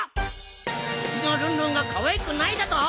うちのルンルンがかわいくないだと！